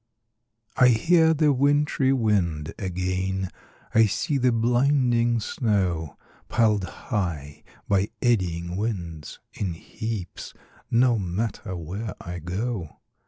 I hear the wintry wind again, I see the blinding snow, Pil'd high, by eddying winds, in heaps, No matter where I go.